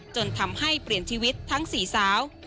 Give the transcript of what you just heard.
จนทำให้เปลี่ยนชีวิตทั้ง๔สาว